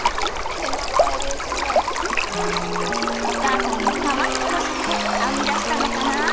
お母さんにかまってほしくて編み出したのかな。